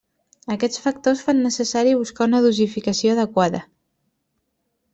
Aquests factors fan necessari buscar una dosificació adequada.